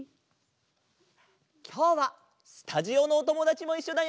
きょうはスタジオのおともだちもいっしょだよ！